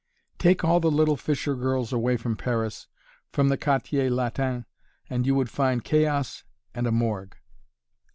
Take all the little fishergirls away from Paris from the Quartier Latin and you would find chaos and a morgue!